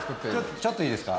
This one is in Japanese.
ちょっといいですか？